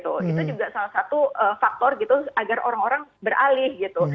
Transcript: itu juga salah satu faktor gitu agar orang orang beralih gitu